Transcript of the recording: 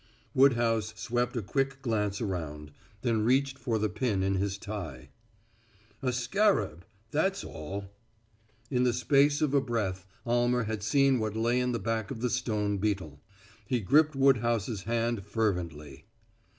Woodhouse swept a quick glance around, then reached for the pin in his tie. "A scarab; that's all." In the space of a breath Almer had seen what lay in the back of the stone beetle. He gripped Woodhouse's hand fervently.